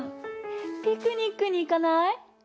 ピクニックにいかない？